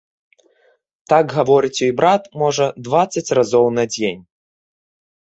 Так гаворыць ёй брат, можа, дваццаць разоў на дзень.